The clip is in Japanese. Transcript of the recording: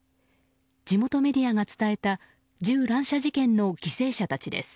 地元メディアが伝えた銃乱射事件の犠牲者たちです。